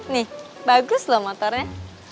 nih bagus loh motornya